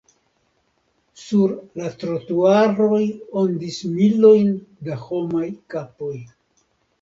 Sur la trotuaroj ondis miloj da homaj kapoj.